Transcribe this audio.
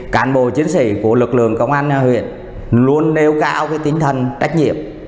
cản bộ chiến sĩ của lực lượng công an huyện luôn đeo cao tính thần tách nhiệm